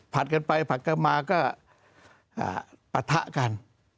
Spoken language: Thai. ผ่านกันไปผ่านกันมาก็ปะทะกัน